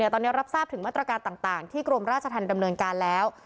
ตอนนี้รับทราบถึงมาตรการต่างที่กรมราชธรรมดำเนินการแล้ว